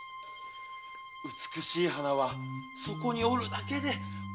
美しい花はそこにおるだけで心が和む。